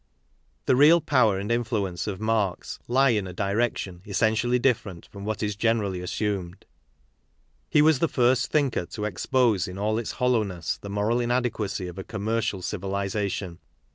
The real power and influence of Marx lie in a direction essentially different from what is generally assumed. He was the first thinker to expose in all its hoUowness the moral inadequacy of a commercial civilization.